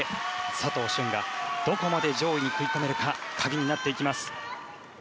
佐藤駿が、どこまで上位に食い込めるかが鍵になっていきます。